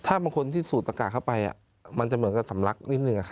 ถ้าบางคนที่สูดตะกากเข้าไปมันจะเหมือนกับสำลักนิดนึง